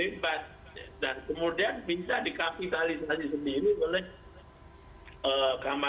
dan kemudian bisa dikapitalisasi sendiri oleh kamala harris bahwa itu sebabnya donald trump sudah tahu bahwa itu adalah virus yang berbahaya